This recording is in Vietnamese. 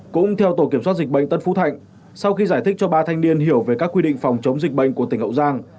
cũng theo tổ kiểm soát dịch bệnh tân phú thạnh sau khi giải thích cho ba thanh niên hiểu về các quy định phòng chống dịch bệnh của tỉnh hậu giang